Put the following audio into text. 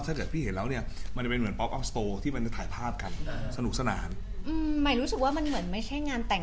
นายรู้สึกว่ามันเหมือนไม่ใช่งานแต่ง